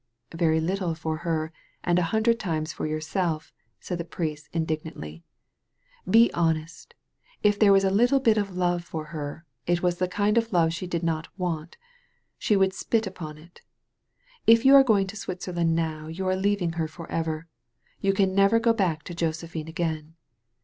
"Very little for her, and a hundred tunes for yourself," said the priest indignantly. "Be hon est. If there was a little bit of love for her, it was the kind of love she did not want. She would spit upon it. If you are going to Switzerland now you are leaving her forever. You can never go back to Josephine again.